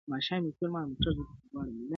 راسئ له زړونو به اول توري تیارې و باسو-